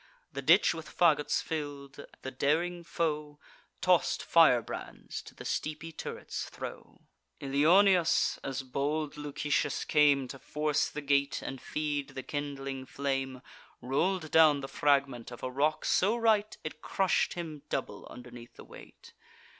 The ditch with fagots fill'd, the daring foe Toss'd firebrands to the steepy turrets throw. Ilioneus, as bold Lucetius came To force the gate, and feed the kindling flame, Roll'd down the fragment of a rock so right, It crush'd him double underneath the weight.